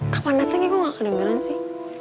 kapan datengnya gue ga kedengeran sih